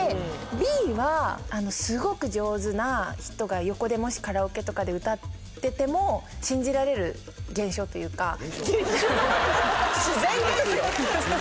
Ｂはすごく上手な人が横でもしカラオケとかで歌ってても信じられる現象というか現象自然現象？